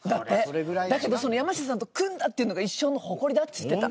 だけどその山下さんと組んだっていうのが一生の誇りだって言ってた。